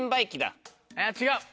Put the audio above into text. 違う。